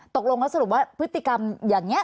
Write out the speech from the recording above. ตกลงแล้วสรุปว่าพฤติกรรมอย่างนี้